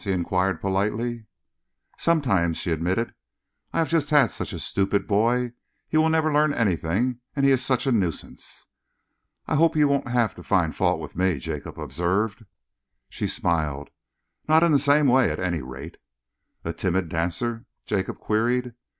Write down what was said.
he enquired politely. "Sometimes," she admitted. "I have just had such a stupid boy. He will never learn anything, and he is such a nuisance." "I hope you won't have to find fault with me," Jacob observed. She smiled. "Not in the same way, at any rate." "A timid dancer?" Jacob queried.